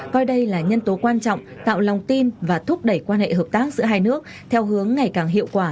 coi đây là nhân tố quan trọng tạo lòng tin và thúc đẩy quan hệ hợp tác giữa hai nước theo hướng ngày càng hiệu quả